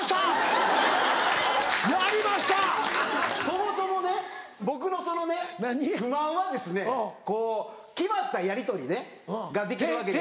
そもそもね僕のその不満はこう決まったやりとりができるわけです。